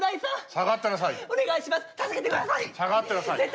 下がってなさい！